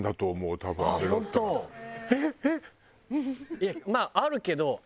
いやまああるけど。